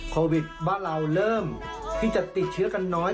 โควิดบ้านเราเริ่มที่จะติดเชื้อกันน้อย